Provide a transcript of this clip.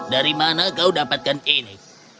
dari mana kau dapatkan ini